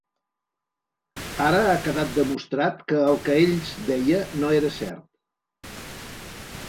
Ara ha quedat demostrat que el que ells deia no era cert.